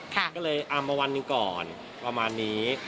ก็เลยเอามาวันหนึ่งก่อนประมาณนี้